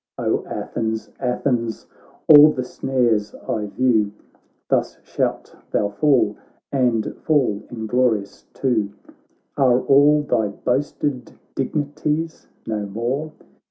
' O Athens, Athens ! all the snares I view ; Thus shalt thou fall, and fall inglorious too! Are all thy boasted dignities no more